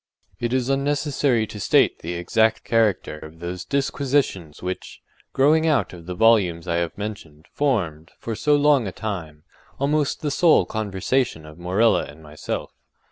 It is unnecessary to state the exact character of those disquisitions which, growing out of the volumes I have mentioned, formed, for so long a time, almost the sole conversation of Morella and myself.